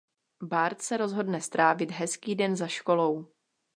Bart se rozhodne strávit hezký den za školou.